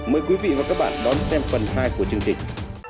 mời quý vị và các bạn đón xem phần hai của chương trình